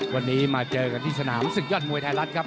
วันนี้มาเจอกันที่สนามศึกยอดมวยไทยรัฐครับ